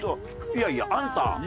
いやいやあんた。